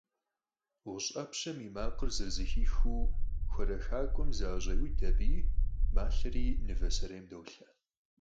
ГъущӀ Ӏэпщэм и макъыр зэрызэхихыу, хуарэ хакӀуэм зыӀэщӀеуд аби, малъэри мывэ сэрейм долъэ.